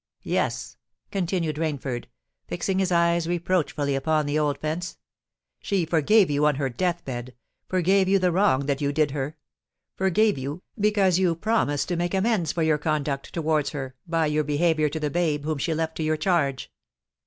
"Yes," continued Rainford, fixing his eyes reproachfully upon the old fence; "she forgave you on her death bed—forgave you the wrong that you did her,—forgave you, because you promised to make amends for your conduct towards her by your behaviour to the babe whom she left to your charge."